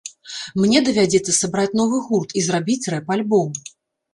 Мне давядзецца сабраць новы гурт і зрабіць рэп-альбом.